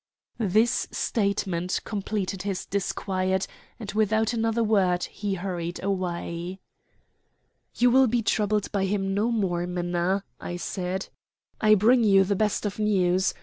This statement completed his disquiet, and without another word he hurried away. "You will be troubled by him no more, Minna," I said. "I bring you the best of news.